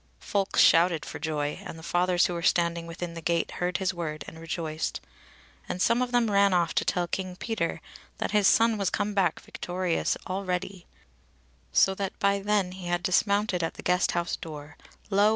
Folk shouted for joy, and the fathers who were standing within the gate heard his word and rejoiced, and some of them ran off to tell King Peter that his son was come back victorious already; so that by then he had dismounted at the Guest house door, lo!